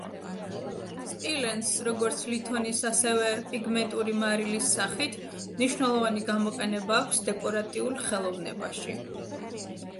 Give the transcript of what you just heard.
სპილენძს, როგორც ლითონის ასევე პიგმენტური მარილის სახით, მნიშვნელოვანი გამოყენება აქვს დეკორატიულ ხელოვნებაში.